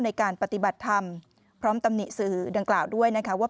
ในการปฏิบัติธรรมพร้อมตำหนิสื่อดังกล่าวด้วยนะคะว่า